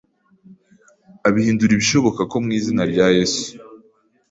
abihindura ibishoboka ko mu izina rya Yesu,